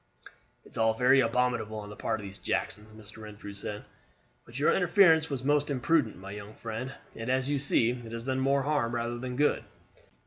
"It is all very abominable on the part of these Jacksons," Mr. Renfrew said, "but your interference was most imprudent, my young friend; and, as you see, it has done harm rather than good.